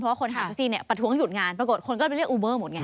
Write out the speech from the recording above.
เพราะว่าคนขับแท็กซี่เนี่ยประท้วงหยุดงานปรากฏคนก็ไปเรียกอูเบอร์หมดไง